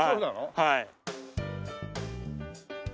はい。